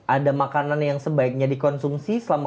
ada makanan yang sebaiknya dikonsumsi selama